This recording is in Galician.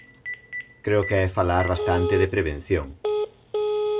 Creo que é falar bastante de prevención.